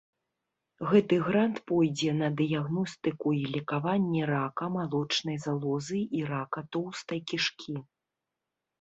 Гэты грант пойдзе на дыягностыку і лекаванне рака малочнай залозы і рака тоўстай кішкі.